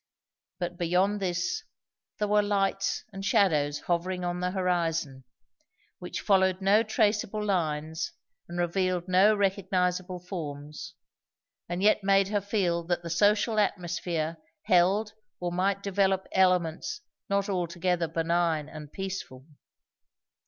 But beyond this, there were lights and shadows hovering on the horizon, which followed no traceable lines and revealed no recognizable forms, and yet made her feel that the social atmosphere held or might develope elements not altogether benign and peaceful.